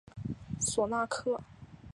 索纳克。